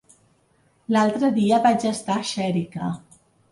L'altre dia vaig estar a Xèrica.